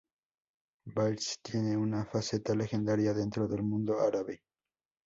Baibars tiene una faceta legendaria dentro del mundo árabe.